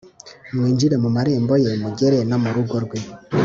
mwinjire mu marembo ye mugere no murugo rwe